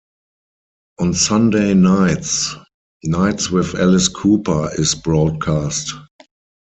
On Sunday nights, "Nights with Alice Cooper" is broadcast.